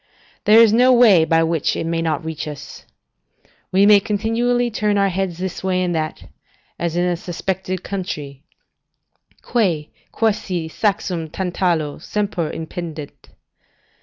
There is no way by which it may not reach us. We may continually turn our heads this way and that, as in a suspected country: "Quae, quasi saxum Tantalo, semper impendet."